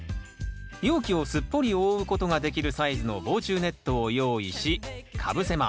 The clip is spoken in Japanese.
容器をすっぽり覆うことができるサイズの防虫ネットを用意しかぶせます。